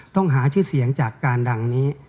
ต้องหาชื่อเสียงจากการดังนี้